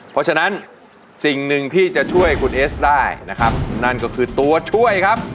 เพราะฉะนั้นสิ่งหนึ่งที่จะช่วยคุณเอสได้นะครับนั่นก็คือตัวช่วยครับ